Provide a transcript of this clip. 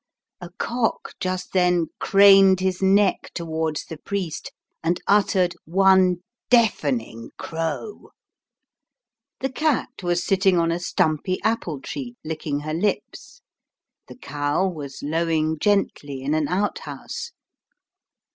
A cock just then craned his neck towards the priest, and uttered one deafening crow. The cat was sitting on a stumpy apple tree licking her lips; the cow was lowing gently in an out house.